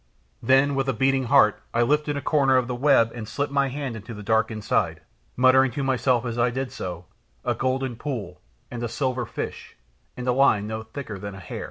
Then, with a beating heart, I lifted a corner of the web and slipped my hand into the dark inside, muttering to myself as I did so, "A golden pool, and a silver fish, and a line no thicker than a hair."